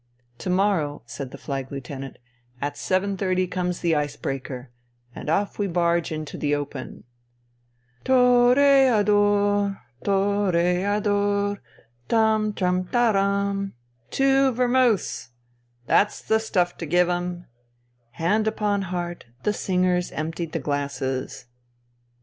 " To morrow,'* said the Flag Lieutenant, " at 7.30 comes the ice breaker, and off we barge into the open." "To o re e ad!or ! To o rrre ado o o o or! Tam tram taram tam '*" Two vermouths 1 "" That's the stuff to give 'em 1 " Hand upon heart, the singers emptied the glasses.